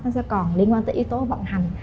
sẽ còn liên quan tới yếu tố vận hành